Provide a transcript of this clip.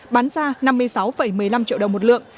bán ra năm mươi sáu một mươi năm triệu đồng một lượng